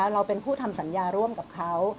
เราเป็นผู้ทำสัญญาร่วมกับเขา